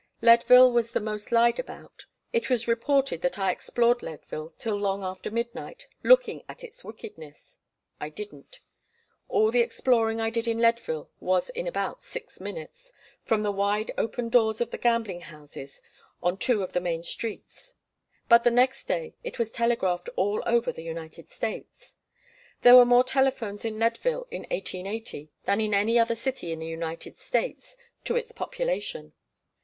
Leadville was the most lied about. It was reported that I explored Leadville till long after midnight, looking at its wickedness. I didn't. All the exploring I did in Leadville was in about six minutes, from the wide open doors of the gambling houses on two of the main streets; but the next day it was telegraphed all over the United States. There were more telephones in Leadville in 1880 than in any other city in the United States, to its population.